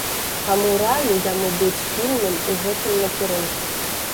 Таму раю яму быць пільным у гэтым накірунку.